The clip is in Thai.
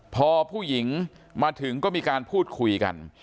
พอผู้หญิงมาถึงก็มีการพูดคุยกัน